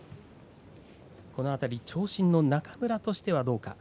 この辺り、長身の中村としてはどうか。